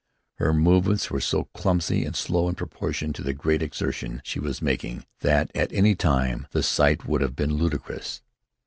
Her movements were so clumsy and slow, in proportion to the great exertion she was making, that at any other time the sight would have been ludicrous.